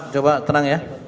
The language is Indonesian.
coba tenang ya